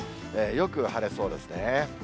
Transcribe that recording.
よく晴れそうですね。